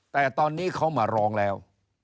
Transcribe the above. แต่ตอนนี้เขามาร้องแล้ว